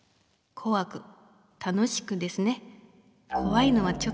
こわく楽しくですね。